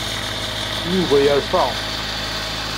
Yuba yerfa.